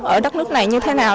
ở đất nước này như thế nào